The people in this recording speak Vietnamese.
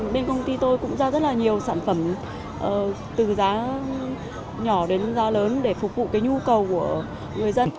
bên công ty tôi cũng ra rất là nhiều sản phẩm từ giá nhỏ đến giá lớn để phục vụ cái nhu cầu của người dân